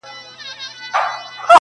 • ورته جوړ د هر پمن د خنجر وار وي -